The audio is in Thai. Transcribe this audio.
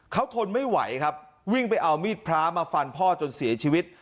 เขาทนไม่ไหวครับวิ่งไปเอามีดพระมาฟันพ่อจนเสียชีวิต